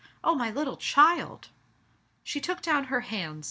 Oh, my little child!" She took down her hands.